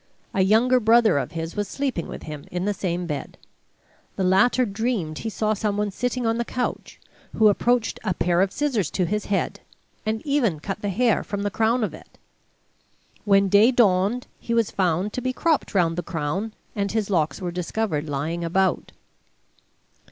A younger brother of his was sleeping with him in the same bed. The latter dreamed he saw some one sitting on the couch, who approached a pair of scissors to his head, and even cut the hair from the crown of it. When day dawned he was found to be cropped round the crown, and his locks were discovered lying about.